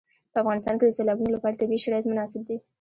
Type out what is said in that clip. په افغانستان کې د سیلابونو لپاره طبیعي شرایط مناسب دي.